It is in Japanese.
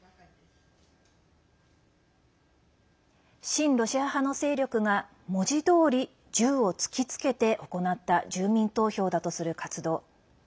親ロシア派の勢力が文字どおり銃を突きつけて行った住民投票だとする活動。